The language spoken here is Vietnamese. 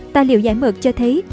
tài liệu giải mật cho thấy